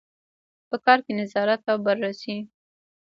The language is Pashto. په کار کې نظارت او بررسي.